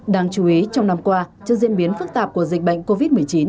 đáng chú ý trong năm qua trước diễn biến phức tạp của dịch bệnh covid một mươi chín